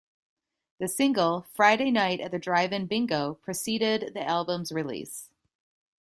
The single "Friday Night at the Drive-in Bingo" preceded the album's release.